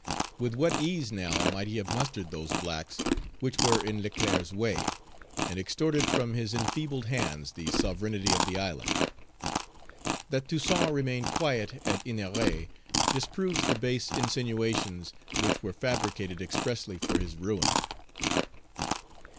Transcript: With what ease now might he have mustered those blacks which were in Leclerc's way, and extorted from his enfeebled hands the sovereignty of the island. That Toussaint remained quiet at Ennery disproves the base insinuations which were fabricated expressly for his ruin.